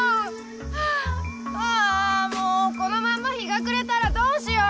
はぁあもうこのまんま日が暮れたらどうしよう！